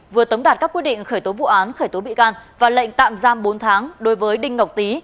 vừa tấm đạt các quy định khởi tố vụ án khởi tố bị can và lệnh tạm giam bốn tháng đối với đinh ngọc tí